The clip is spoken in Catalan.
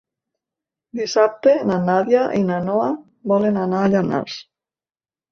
Dissabte na Nàdia i na Noa volen anar a Llanars.